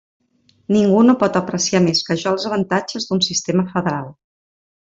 Ningú no pot apreciar més que jo els avantatges d'un sistema federal.